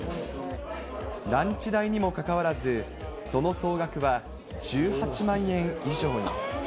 ランチ代にもかかわらず、その総額は１８万円以上に。